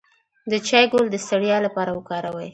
د چای ګل د ستړیا لپاره وکاروئ